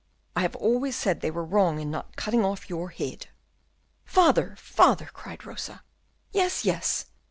I always said they were wrong in not cutting your head off." "Father, father!" cried Rosa. "Yes, yes!